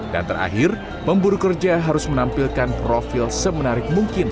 dan terakhir pemburu kerja harus menampilkan profil semenarik mungkin